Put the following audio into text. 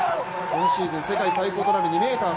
今シーズン世界最高となる２ｍ３３。